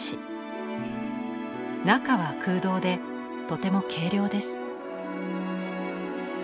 中は空洞でとても軽量です。